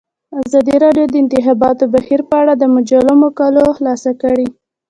ازادي راډیو د د انتخاباتو بهیر په اړه د مجلو مقالو خلاصه کړې.